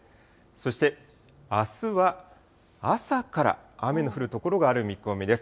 そしてあすは、朝から雨の降る所がある見込みです。